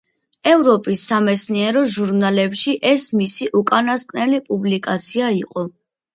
ევროპის სამეცნიერო ჟურნალებში ეს მისი უკანასკნელი პუბლიკაცია იყო.